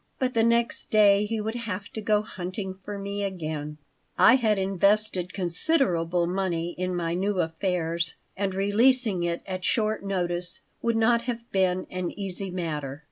But the next day he would have to go hunting for me again I had invested considerable money in my new affairs, and releasing it at short notice would not have been an easy matter.